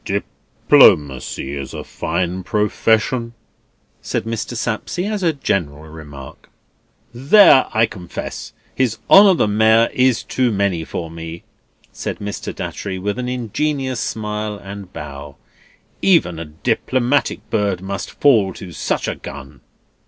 "Diplomacy is a fine profession," said Mr. Sapsea, as a general remark. "There, I confess, His Honour the Mayor is too many for me," said Mr. Datchery, with an ingenious smile and bow; "even a diplomatic bird must fall to such a gun."